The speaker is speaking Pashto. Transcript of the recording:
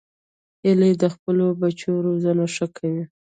هیلۍ د خپلو بچو روزنه ښه کوي